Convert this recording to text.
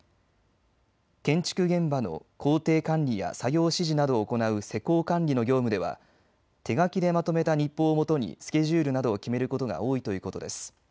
建築現場の工程管理や作業指示などを行う施工管理の業務では手書きでまとめた日報をもとにスケジュールなどを決めることが多いということです。